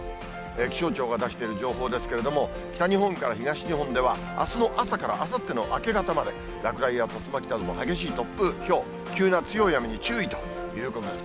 気象庁が出している情報ですけれども、北日本から東日本では、あすの朝からあさっての明け方まで、落雷や竜巻などの激しい突風、ひょう、急な強い雨に注意ということです。